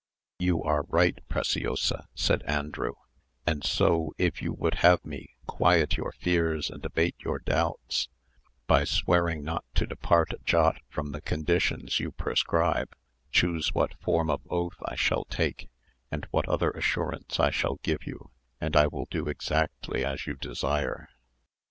"You are right, Preciosa," said Andrew; "and so if you would have me quiet your fears and abate your doubts, by swearing not to depart a jot from the conditions you prescribe, choose what form of oath I shall take, or what other assurance I shall give you, and I will do exactly as you desire."